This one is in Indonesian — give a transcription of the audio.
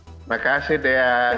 terima kasih dea